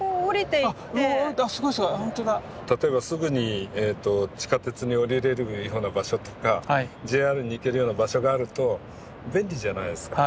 例えばすぐに地下鉄におりれるような場所とかＪＲに行けるような場所があると便利じゃないですか。